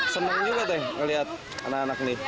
senang juga tuh melihat anak anak ini